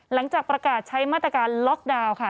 หลังจากประกาศใช้มาตรการล็อกดาวน์ค่ะ